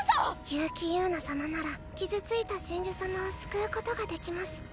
結城友奈様なら傷ついた神樹様を救うことができます。